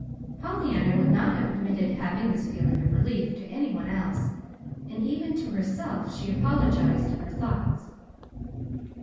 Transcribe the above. Pollyanna would not have admitted having this feeling of relief to any one else, and even to herself she apologized in her thoughts.